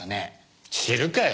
知るかよ！